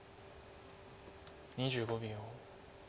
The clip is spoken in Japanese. ２５秒。